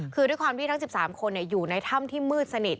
คือด้วยความที่ทั้ง๑๓คนอยู่ในถ้ำที่มืดสนิท